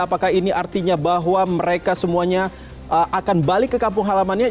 apakah ini artinya bahwa mereka semuanya akan balik ke kampung halamannya